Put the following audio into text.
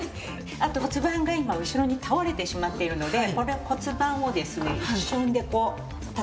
あと骨盤が今後ろに倒れてしまっているのでこれを骨盤をですね一瞬でこう立たせます。